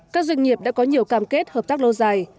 các doanh nghiệp đã có nhiều cam kết hợp tác lâu dài